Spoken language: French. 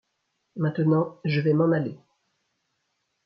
Maintenant je vais m’en aller.